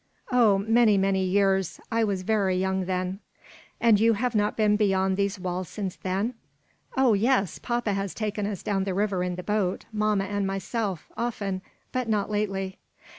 "Oh, many, many years; I was very young then." "And you have not been beyond these walls since then?" "Oh yes! Papa has taken us down the river in the boat, mamma and myself, often, but not lately."